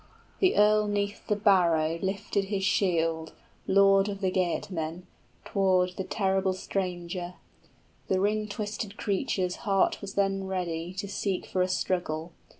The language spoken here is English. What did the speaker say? The earl 'neath the barrow Lifted his shield, lord of the Geatmen, Tow'rd the terrible stranger: the ring twisted creature's Heart was then ready to seek for a struggle.